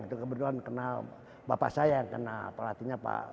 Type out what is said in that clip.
itu kebetulan kenal bapak saya yang kenal pelatihnya pak